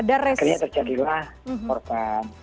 akhirnya terjadilah korban